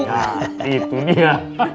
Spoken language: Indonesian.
ya itu nih ya